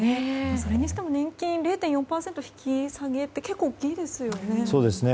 それにしても年金０．４％引き下げって結構大きいですよね。